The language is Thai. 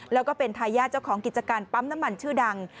แล้วก็เป็นทายาทเจ้าของกิจการปั๊มน้ำมันชื่อดัง